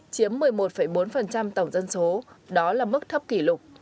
chiếm một mươi một bốn tổng dân số đó là mức thấp kỷ lục